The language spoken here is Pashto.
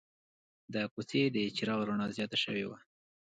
د کوڅې د چراغ رڼا زیاته شوې وه.